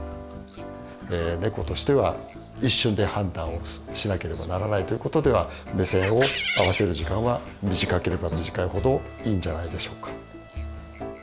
ネコとしては一瞬で判断をしなければならないということでは目線を合わせる時間は短ければ短いほどいいんじゃないでしょうか。